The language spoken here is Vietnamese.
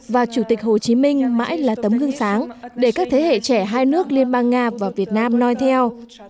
và chủ tịch hồ chí minh mãi là tấm gương sáng để các thế hệ trẻ hai nước liên bang nga và việt nam nói theo